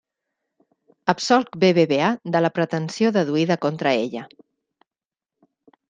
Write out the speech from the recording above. Absolc BBVA de la pretensió deduïda contra ella.